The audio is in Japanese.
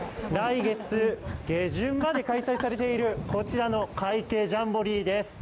来月下旬まで開催されているこちらのカイケジャンボリーです。